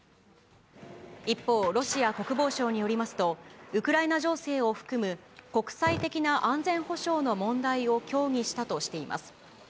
一方、ロシア国防省によりますと、ウクライナ情勢を含む国際的な安全保障の問題を協議したとしています。